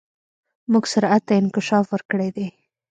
موږ سرعت ته انکشاف ورکړی دی.